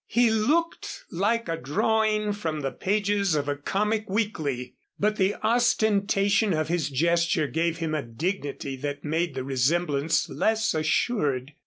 He looked like a drawing from the pages of a comic weekly, but the ostentation of his gesture gave him a dignity that made the resemblance less assured.